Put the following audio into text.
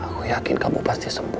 aku yakin kamu pasti sembuh